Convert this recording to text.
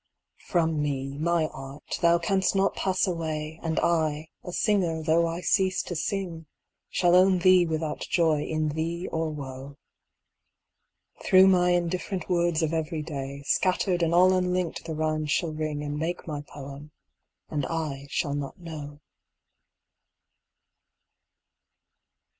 From me, my art, thou canst not pass away; And I, a singer though I cease to sing, Shall own thee without joy in thee or woe. Through my indifferent words of every day, Scattered and all unlinked the rhymes shall ring, And make my poem ; and I shall not know.